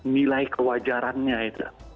nilai kewajarannya itu